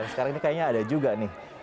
sekarang ini kayaknya ada juga nih